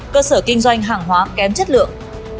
cơ sở kinh doanh hàng hóa kém chất lượng